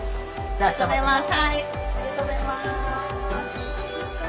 ありがとうございます。